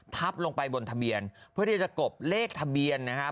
ทับลงไปบนทะเบียนเพื่อที่จะกบเลขทะเบียนนะครับ